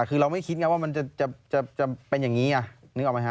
คือเราไม่คิดไงว่ามันจะเป็นอย่างนี้ไงนึกออกไหมฮ